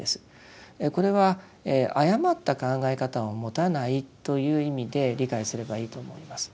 これは誤った考え方を持たないという意味で理解すればいいと思います。